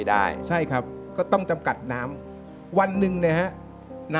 ได้เท่านั้น